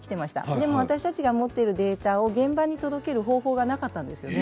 でも私たちが持っているデータを現場に届ける方法がなかったんですよね。